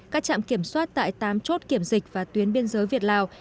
các trạm kiểm soát tại tám chốt kiểm dịch và tuyến biên giới việt lào